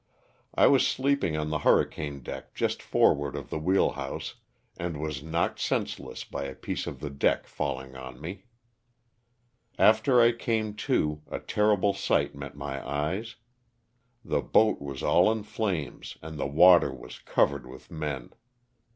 I was sleeping on the hurricane deck just forward of the wheelhouse and was knocked senseless by a piece of the deck falling on me. After I came to, a terrible sight met my eyes. The boat was all in flames and the water was covered with men.